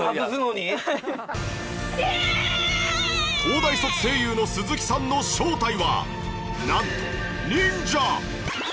東大卒声優の鈴木さんの正体はなんと